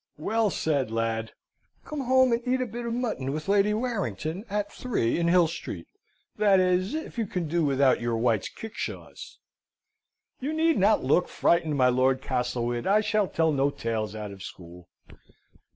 "Well said, lad! Come home and eat a bit of mutton with Lady Warrington, at three, in Hill Street, that is if you can do without your White's kickshaws. You need not look frightened, my Lord Castlewood! I shall tell no tales out of school."